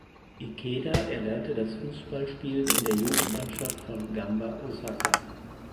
Ikeda erlernte das Fußballspielen in der Jugendmannschaft von Gamba Osaka.